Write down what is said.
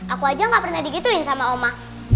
aku aja gak pernah digituin sama oma